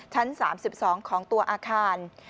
ชั้น๓๒ของตัวอาคาร